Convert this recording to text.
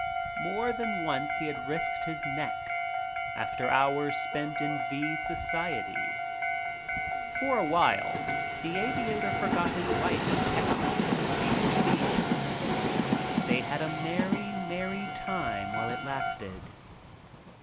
More than once he had risked his neck after hours spent in V 's society. For a while the aviator forgot his wife in Texas to be with V . They had a merry, merry time while it lasted.